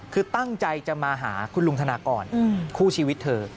คือตั้งใจจะมาหาคุณลุงธนากรคู่ชีวิตเธอ